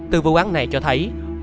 từ vụ án này cho thấy